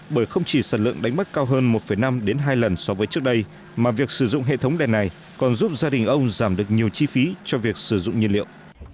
bởi không chỉ sản lượng đánh bắt cao hơn một năm hai lần so với trước đây mà việc sử dụng hệ thống đèn này còn giúp gia đình ông giảm được nhiều chi phí cho việc sử dụng nhiên liệu